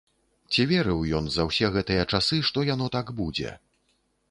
Ці верыў ён за ўсе гэтыя часы, што яно так будзе?